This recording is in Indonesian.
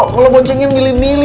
kalau boncengin milih milih